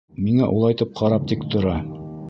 Миңә упайып ҡарап тик тора.